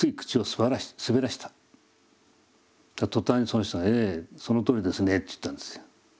途端にその人が「ええそのとおりですね」って言ったんですよ。